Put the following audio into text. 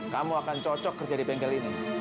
kamu akan cocok kerja di bengkel ini